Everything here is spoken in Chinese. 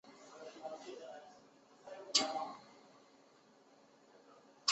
长序野青茅为禾本科野青茅属下的一个种。